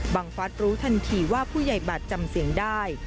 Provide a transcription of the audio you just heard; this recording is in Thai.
ฟัฐรู้ทันทีว่าผู้ใหญ่บัตรจำเสียงได้